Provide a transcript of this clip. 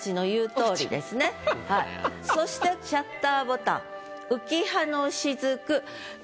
そして「シャッターボタン浮葉の雫」